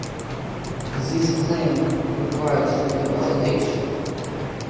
This claim requires further validation.